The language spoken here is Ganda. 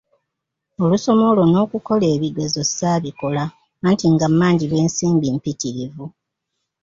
Olusoma olwo n'okukola ebigezo, ssaabikola anti nga mmanjibwa ensimbi mpitirivu.